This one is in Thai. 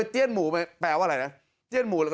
เตี้ยนหมูแปลว่าอะไรนะ